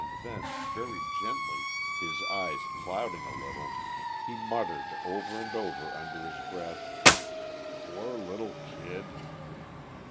And then, very gently, his eyes clouding a little, he muttered over and over, under his breath: "Poor little kid!"